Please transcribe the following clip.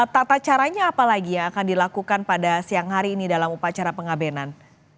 tata caranya apa lagi yang akan dilakukan pada siang hari ini dalam upacara pengabenan